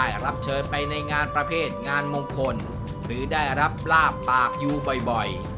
ได้รับเชิญไปในงานประเภทงานมงคลหรือได้รับลาบปากอยู่บ่อย